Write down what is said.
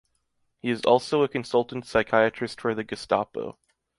He is also a consultant psychiatrist for the Gestapo.